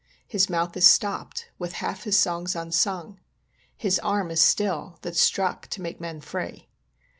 His mouth is stopped, with half his songs unsung; His arm is still, that struck to make men free.